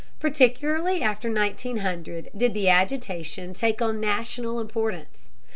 Particularly after 1900 did the agitation take on national importance.